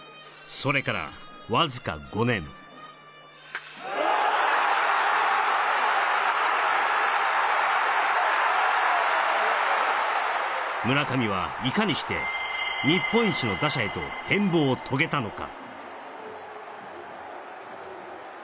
それからわずか５年村上はいかにして日本一の打者へと変貌を遂げたのか？